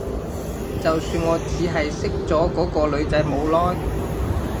就算我只係識咗嗰個女仔冇耐